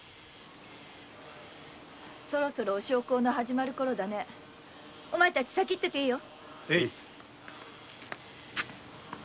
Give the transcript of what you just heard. そろそろお焼香の始まるころだねお前たち先に行ってていいよ。